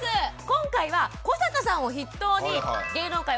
今回は古坂さんを筆頭に芸能界を代表します